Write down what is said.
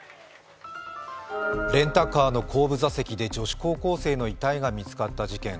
レンタカーの後部座席で女子高校生の遺体が見つかった事件。